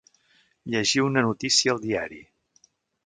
Llegir una notícia al diari.